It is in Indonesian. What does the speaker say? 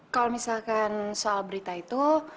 kalau misalkan soal berita itu